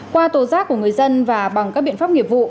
qua tố giác của người dân và bằng các biện pháp nghiệp vụ